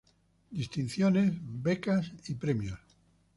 Distinciones, becas y premios